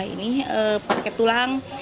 ini pakai tulang